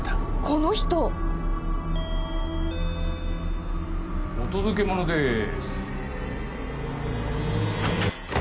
この人！お届け物です。